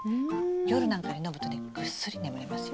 夜なんかに飲むとねぐっすり眠れますよ。